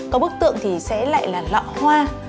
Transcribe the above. có bức tượng thì sẽ lại là lọ hoa